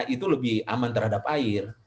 itu lebih aman terhadap air